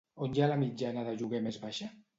On hi ha la mitjana de lloguer més baixa?